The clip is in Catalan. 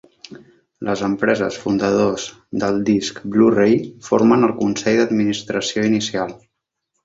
Les empreses fundadors del disc Blu-Ray formen el Consell d'administració inicial.